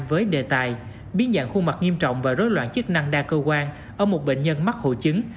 với đề tài biến dạng khuôn mặt nghiêm trọng và rối loạn chức năng đa cơ quan ở một bệnh nhân mắc hội chứng